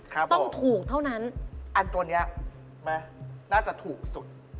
ครับผมต้องถูกเท่านั้นอันตัวนี้ไหมน่าจะถูกสุด